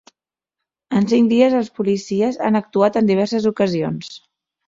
En cinc dies, els policies han actuat en diverses ocasions.